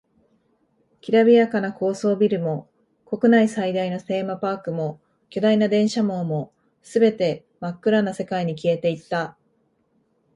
きらびやかな高層ビルも、国内最大のテーマパークも、巨大な電車網も、全て真っ暗な世界に消えていった。